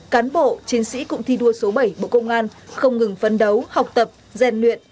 cán bộ chiến sĩ cụm thi đua số bảy bộ công an không ngừng phấn đấu học tập gian luyện